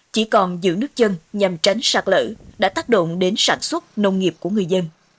chỉ còn giữ nước chân nhằm tránh sạt lỡ đã tác động đến sản xuất nông nghiệp của người dân